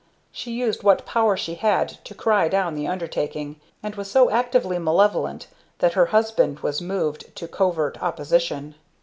She used what power she had to cry down the undertaking, and was so actively malevolent that her husband was moved to covert opposition.